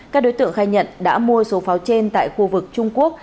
các đối tượng khai nhận đã mua số pháo trên tại khu vực trung quốc